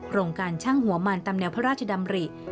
โรงการช่างหัวมันตามแนวพระราชดำริ